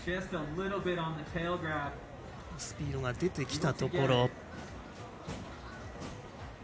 スピードが出てきたところ。